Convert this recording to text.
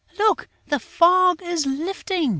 Look! The fog is lifting!"